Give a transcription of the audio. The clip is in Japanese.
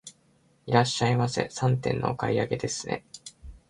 いらっしゃいませ、三点のお買い上げですね。